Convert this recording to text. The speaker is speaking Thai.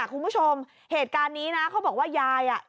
คุณผู้ชมเหตุการณ์นี้นะเขาบอกว่ายายอ่ะ